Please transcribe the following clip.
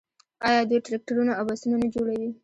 آیا دوی ټراکټورونه او بسونه نه جوړوي؟